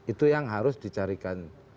itu yang harus dicarikan